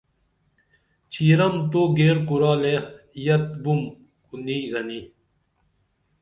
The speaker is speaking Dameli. چِرم تو گیر کُرالے یت بِم کُو نی گنی